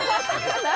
何？